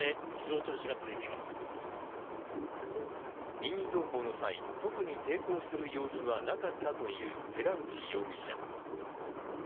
任意同行の際、特に抵抗する様子はなかったという寺内容疑者。